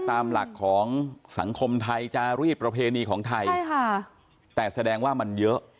ตามหลักของสังคมไทยจารีดประเพณีของไทยแต่แสดงว่ามันเยอะ